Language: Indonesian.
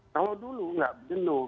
kalau dulu nggak jenuh